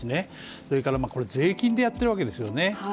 それから税金でやってるわけですよね